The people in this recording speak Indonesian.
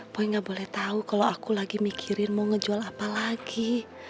boy gak boleh tau kalo aku lagi mikirin mau ngejual apa lagi